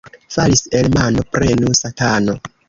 Falis el mano, prenu satano.